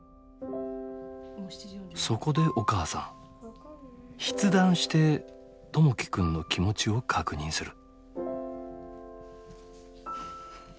そこでお母さん筆談して友輝くんの気持ちを確認する。